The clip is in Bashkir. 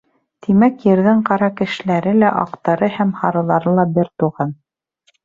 Тимәк, Ерҙең ҡара кешеләре лә, аҡтары һәм һарылары ла бер туған.